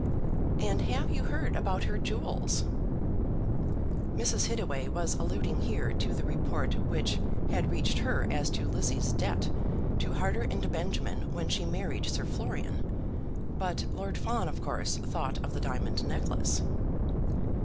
"And have you heard about her jewels?" Mrs. Hittaway was alluding here to the report which had reached her as to Lizzie's debt to Harter and Benjamin when she married Sir Florian; but Lord Fawn of course thought of the diamond necklace.